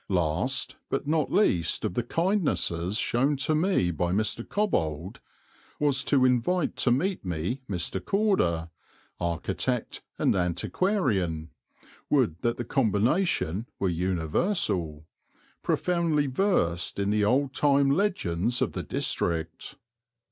Last, but not least of the kindnesses shown to me by Mr. Cobbold was to invite to meet me Mr. Corder, architect and antiquarian would that the combination were universal profoundly versed in the old time legends of the district.